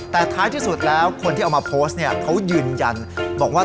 แต่ท้ายที่สุดแล้วคนที่เอามาโพสต์เนี่ยเขายืนยันบอกว่า